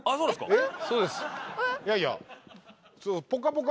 えっ！